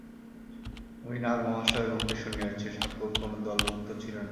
আমি নাগ-মহাশয়ের মুখে শুনিয়াছি, ঠাকুর কোন দলভুক্ত ছিলেন না।